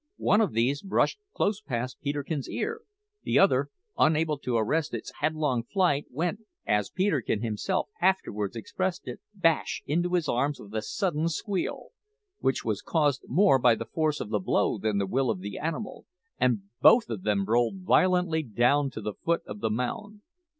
One of these brushed close past Peterkin's ear; the other, unable to arrest its headlong flight, went, as Peterkin himself afterwards expressed it, `bash' into his arms with a sudden squeal, which was caused more by the force of the blow than the will of the animal, and both of them rolled violently down to the foot of the mound.